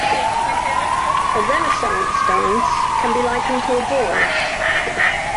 A Renaissance dance can be likened to a ball.